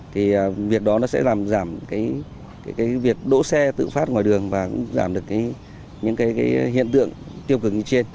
thì việc đó sẽ làm giảm việc đỗ xe tự phát ngoài đường và giảm được những hiện tượng tiêu cực như trên